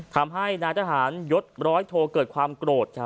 ทำให้นายทหารยศร้อยโทเกิดความโกรธ